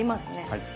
はい。